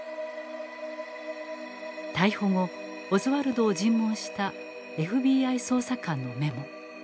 逮捕後オズワルドを尋問したＦＢＩ捜査官のメモ。